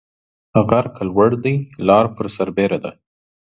غر که لوړ دى ، لار پر سر بيره ده.